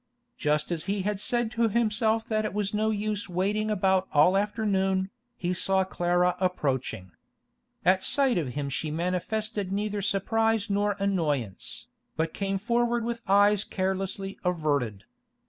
Just as he had said to himself that it was no use waiting about all the afternoon, he saw Clara approaching. At sight of him she manifested neither surprise nor annoyance, but came forward with eyes carelessly averted.